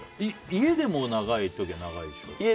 家でも長い時は長いでしょ？